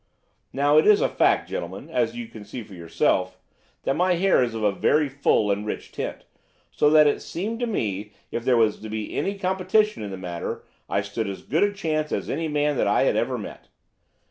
"Now, it is a fact, gentlemen, as you may see for yourselves, that my hair is of a very full and rich tint, so that it seemed to me that if there was to be any competition in the matter I stood as good a chance as any man that I had ever met.